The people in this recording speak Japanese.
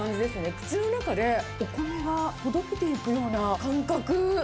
口の中でお米がほどけていくような感覚。